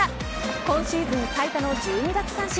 今シーズン最多の１２奪三振。